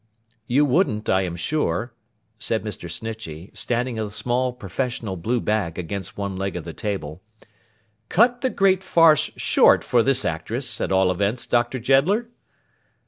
'You wouldn't, I am sure,' said Mr. Snitchey, standing a small professional blue bag against one leg of the table, 'cut the great farce short for this actress, at all events, Doctor Jeddler.